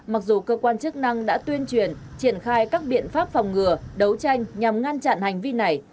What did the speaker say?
mặc dù cơ quan chức năng đã tuyên truyền triển khai các biện pháp phòng ngừa đấu tranh nhằm ngăn chặn hành vi này